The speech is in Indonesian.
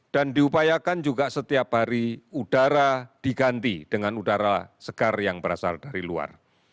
dan diupayakan juga setiap hari udara diganti dengan udara segar yang berasal dari luar